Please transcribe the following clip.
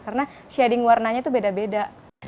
karena shading warnanya itu beda beda